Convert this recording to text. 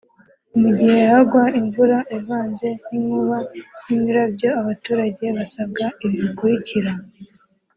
Mu gihe hagwa imvura ivanze n’inkuba n’imirabyo abaturage basabwa ibi bikurukira